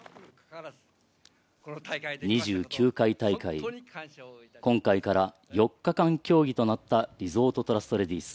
２９回大会、今回から４日間競技となったリゾートトラストレディス。